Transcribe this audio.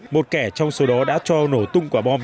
một kẻ trong số đó đã cho nổ tung quả bom